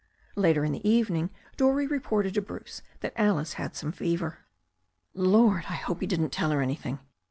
Later in the evening Dorrie reported to Bruce that Alice had some fever. "Lord! I hope he didn't tell her anything.